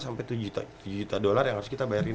sampai tujuh juta dolar yang harus kita bayarin